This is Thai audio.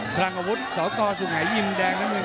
ครังอาวุธสวงหายยิ่มแดงน้ำเงิน